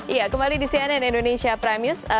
iya kembali di cnn indonesia prime news